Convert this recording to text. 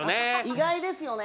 意外ですよね。